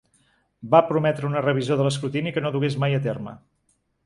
Va prometre una revisió de l’escrutini que no dugués mai a terme.